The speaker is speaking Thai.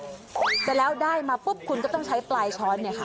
เสร็จแล้วได้มาปุ๊บคุณก็ต้องใช้ตลาดช้อน